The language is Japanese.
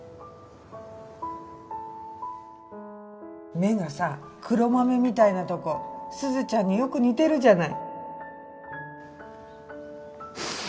目がさ黒豆みたいなとこ鈴ちゃんによく似てるじゃない。